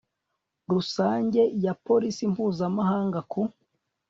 rusange ya Polisi mpuzamahanga ku